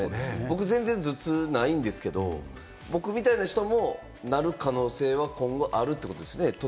僕、全然頭痛ないんですけれども、僕みたいな人もなる可能性は今後あるってことですね。